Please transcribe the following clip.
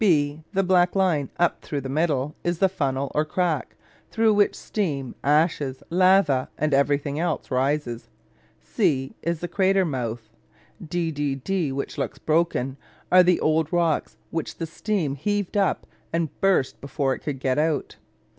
B, the black line up through the middle, is the funnel, or crack, through which steam, ashes, lava, and everything else rises. C is the crater mouth. D D D, which looks broken, are the old rocks which the steam heaved up and burst before it could get out.